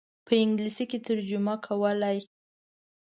په انګلیسي ترجمه کولې.